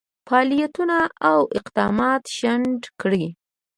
فعالیتونه او اقدامات شنډ کړي.